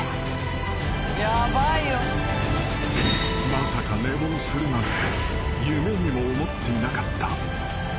［まさか寝坊するなんて夢にも思っていなかった］